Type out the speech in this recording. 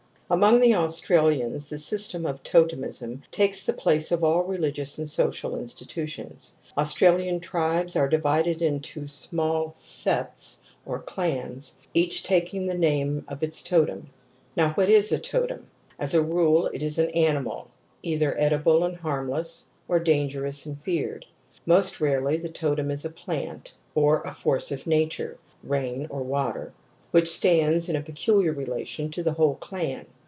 Among the Australians the system of Totem ism takes the place of all religious and social stitutions. Australian tribes are divided into smaller septs or clans, each taking the name of its totem. Now what is a tot£m ? As a rule it ,/ is an_a iximaL either edible and harmless, or dan gerous and feared ; more rarely the totem is a plant or a force of nature (rain, water), which stands in a peculiar relation to the whole clan.